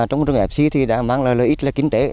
trong rừng fsc thì đã mang lại lợi ích là kinh tế